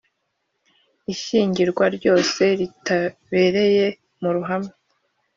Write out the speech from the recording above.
Ishyingirwa ryose ritabereye mu ruhame